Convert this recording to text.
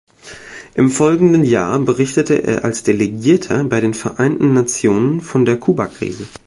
Im folgenden Jahr berichtete er als Delegierter bei den Vereinten Nationen von der Kubakrise.